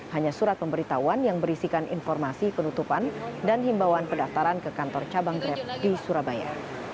hanya surat pemberitahuan yang berisikan informasi penutupan dan himbauan pendaftaran ke kantor cabang grab di surabaya